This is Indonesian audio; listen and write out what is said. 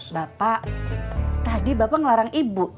bapak tadi bapak ngelarang ibu